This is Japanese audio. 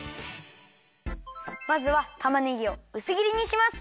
まずはたまねぎをうすぎりにします。